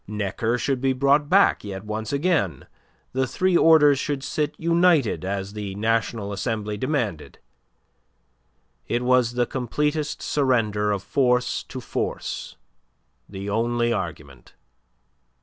Necker should be brought back yet once again, the three orders should sit united as the National Assembly demanded. It was the completest surrender of force to force, the only argument.